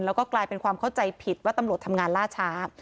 แล้วก็กลายเป็นความเข้าใจผิดว่าตำรวจทำงานล่าช้า